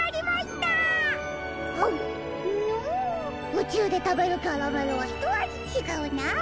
うちゅうでたべるキャラメルはひとあじちがうな。